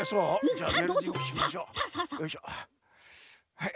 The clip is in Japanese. はい。